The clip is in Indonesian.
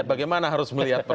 jadi bagaimana harus melihatnya